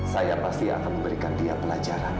saya pasti akan memberikan dia pelajaran